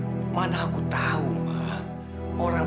kita tak p kenumpah tapi